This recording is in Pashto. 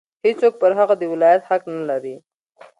هېڅوک پر هغه د ولایت حق نه لري.